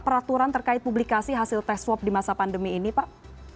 peraturan terkait publikasi hasil tes swab di masa pandemi ini pak